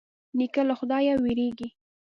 نیکه له خدايه وېرېږي.